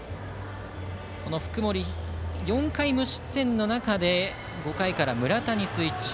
その福盛、４回無失点の中で５回から村田にスイッチ。